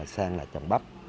sang là trần bắp